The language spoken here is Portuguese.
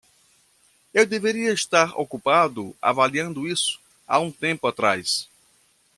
Eu deveria estar ocupado avaliando isso há um tempo atrás.